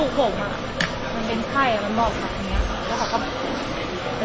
ก็มีต้ายพูดว่าแค่